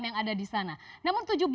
yang ditulis adalah agung sedayu